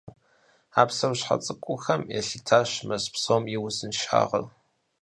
А псэущхьэ цӀыкӀухэм елъытащ мэз псом и узыншагъэр.